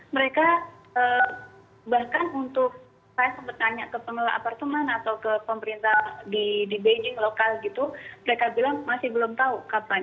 mereka bahkan untuk saya sempat tanya ke pengelola apartemen atau ke pemerintah di beijing lokal gitu mereka bilang masih belum tahu kapan